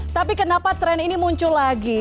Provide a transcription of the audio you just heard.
tapi kenapa tren ini muncul lagi